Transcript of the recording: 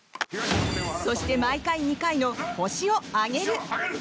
そして、毎回２回の「ホシを挙げる！」。